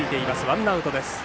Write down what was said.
ワンアウト。